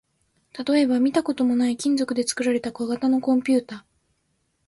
例えば、見たこともない金属で作られた小型のコンピュータ